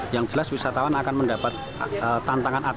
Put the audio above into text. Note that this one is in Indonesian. yang jelas wisatawan akan mendapat tantangan